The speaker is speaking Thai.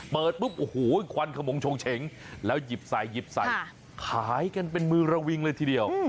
เปิดปุ๊บโอ้โหควันขมงชงเฉงแล้วหยิบใส่หยิบใส่ขายกันเป็นมือระวิงเลยทีเดียว